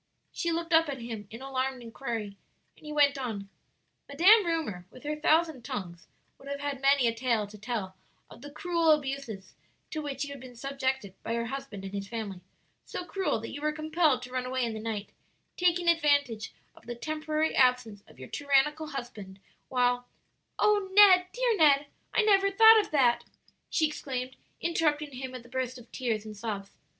She looked up at him in alarmed inquiry, and he went on, "'Madame Rumor, with her thousand tongues,' would have had many a tale to tell of the cruel abuse to which you had been subjected by your husband and his family so cruel that you were compelled to run away in the night, taking advantage of the temporary absence of your tyrannical husband; while " "O Ned, dear Ned, I never thought of that!" she exclaimed, interrupting him with a burst of tears and sobs.